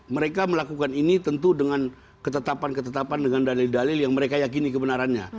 mereka melakukan ini tentu dengan ketetapan ketetapan dengan dalil dalil yang mereka yakini kebenarannya